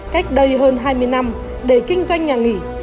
cách đây hơn hai mươi năm để kinh doanh nhà nghỉ